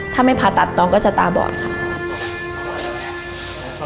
ถ้าไม่ผ่าตัดน้องก็จะตาบอดค่ะ